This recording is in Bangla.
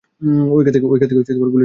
ঐখান থেকে গুলি ছোঁড়া হয়েছে!